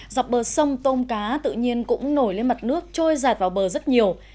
dọc bờ sông tôm cá tự nhiên cũng nổi lên mặt nước trôi giạt vào bờ rất nhiều